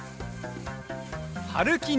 はるきに